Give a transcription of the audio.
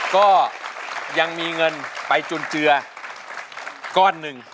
ก็ยังมีเงินไปจุนเจือก้อนหนึ่ง